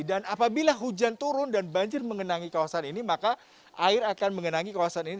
dan apabila hujan turun dan banjir mengenangi kawasan ini maka air akan mengenangi kawasan ini